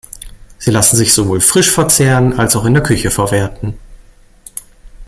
Sie lassen sich sowohl frisch verzehren als auch in der Küche verwerten.